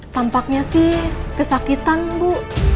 tampaknya sih kesakitan bu